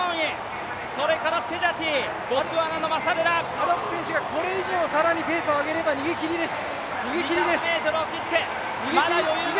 アロップ選手がこれ以上ペースを上げれば、逃げ切りです。